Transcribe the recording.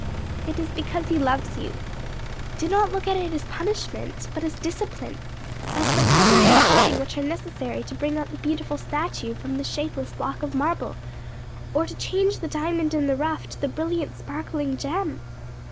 "It is because he loves you. Do not look at it as punishment, but as discipline; as the cutting and carving which are necessary to bring out the beautiful statue from the shapeless block of marble, or to change the diamond in the rough to the brilliant sparkling gem.